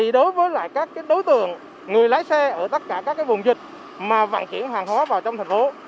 đối với các đối tượng người lái xe ở tất cả các vùng dịch mà vận chuyển hàng hóa vào trong thành phố